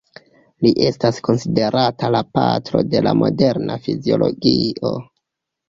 Li estas konsiderata la patro de la moderna fiziologio.